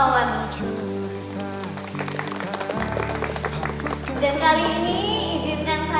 dan kali ini izin dan sayang untuk memberikan hadiah setiap pada papa dan mama tiana